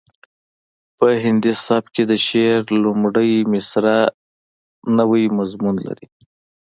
په هندي سبک کې د شعر لومړۍ مسره نوی مضمون لري